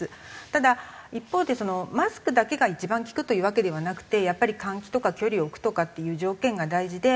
ただ一方でマスクだけが一番効くというわけではなくてやっぱり換気とか距離を置くとかっていう条件が大事で。